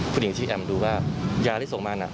คุณหญิงที่แอมดูว่ายาที่ส่งมานะ